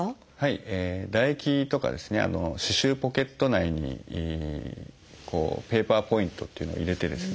唾液とか歯周ポケット内にペーパーポイントっていうのを入れてですね